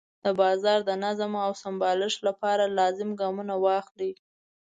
د بازار د نظم او سمبالښت لپاره لازم ګامونه واخلي.